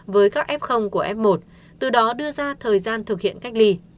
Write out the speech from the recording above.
với các f của f một từ đó đưa ra thời gian thực hiện cách ly